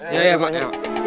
ya ya emangnya